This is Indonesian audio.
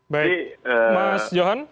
baik mas johan